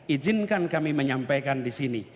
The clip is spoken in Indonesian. ijinkan kami menyampaikan disini